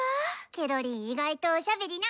ケロリん意外とおしゃべりな。